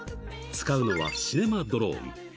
使うのは、シネマドローン。